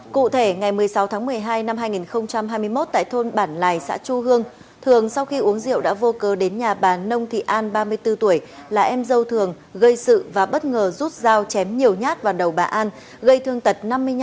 cụ thể ngày một mươi sáu tháng một mươi hai năm hai nghìn hai mươi một tại thôn bản lài xã chu hương thường sau khi uống rượu đã vô cơ đến nhà bà nông thị an ba mươi bốn tuổi là em dâu thường gây sự và bất ngờ rút dao chém nhiều nhát vào đầu bà an gây thương tật năm mươi năm